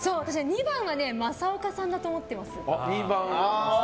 ２番は正岡さんだと思ってます。